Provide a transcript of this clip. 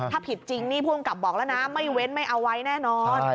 ถ้าผิดจริงนี่ผู้กำกับบอกแล้วนะไม่เว้นไม่เอาไว้แน่นอน